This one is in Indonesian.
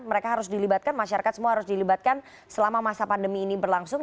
mereka harus dilibatkan masyarakat semua harus dilibatkan selama masa pandemi ini berlangsung